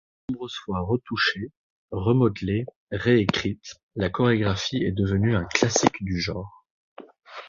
De nombreuses fois retouchée, remodelée, réécrite, la chorégraphie est devenue un classique du genre.